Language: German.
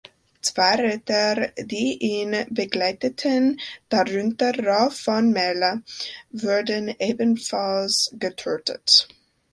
Zwei Ritter, die ihn begleiteten, darunter Ralph von Merle, wurden ebenfalls getötet.